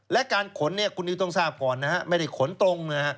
และการขนเนี่ยคุณนิวต้องทราบก่อนนะฮะไม่ได้ขนตรงนะฮะ